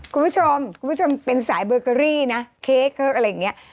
คุณผู้ชมคุณผู้ชมเป็นสายเบอร์เกอรี่นะเค้กอะไรอย่างนี้